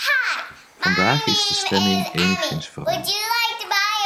Vandaag is de stemming enigszins veranderd.